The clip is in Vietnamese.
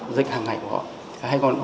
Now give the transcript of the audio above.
dịch hàng ngày của họ